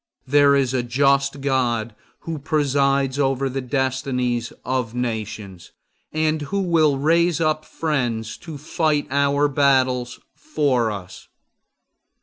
There is a just God who presides over the destinies of nations, and who will raise up friends to fight our battles for us.